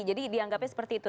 jadi dianggapnya seperti itu